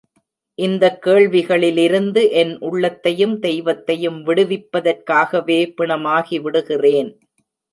இந்தக் கேள்விகளிலிருந்து என் உள்ளத்தையும் தெய்வத்தையும் விடுவிப்பதற்காகவே பிணமாகிவிடுகிறேன்.